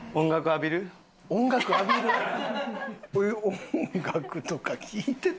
音楽とか聴いてたっけな？